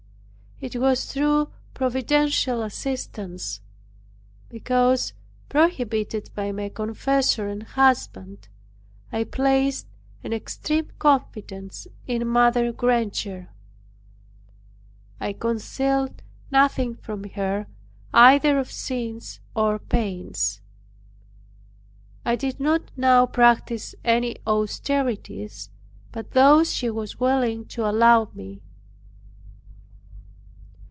It was through providential assistance; because prohibited by my confessor and husband. I placed an extreme confidence in Mother Granger. I concealed nothing from her either of sins or pains. I did not now practice any austerities but those she was willing to allow me.